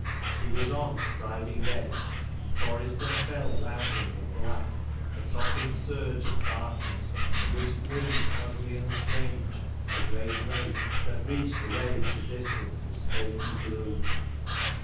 He was on Striding edge : forest and fell around him were black, a tossing surge of darkness ; in which gleamed ugly and strange the great lake, that reached away into distance of slaty gloom.